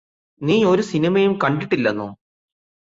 നീയൊരു സിനിമയും കണ്ടിട്ടില്ലെന്നോ